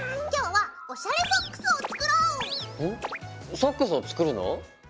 ソックスを作るの？